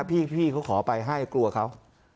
พี่เขาขอไปให้กลัวเขา